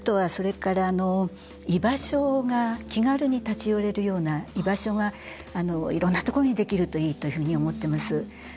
あとは気軽に立ち寄れるような居場所がいろんなところにできるといいというふうに思っております。